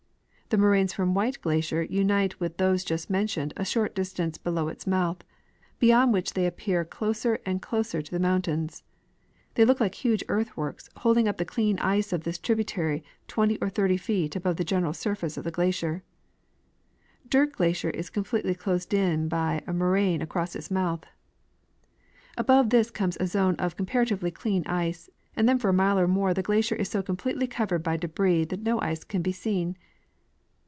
The moraines from White glacier unite with those just mentioned a short distance below its mouth, beyond which they approach closer and closer to the mountains. They look like huge earthworks holding up the clean ice of this tributary 20 or 30 feet above the general surface of the glacier. Dirt glacier is completely closed in by a moraine across its mouth. Above this comes a zone of comparatively clean ice, and then for a mile or more the glacier is so completely covered by debris that no ice can be seen.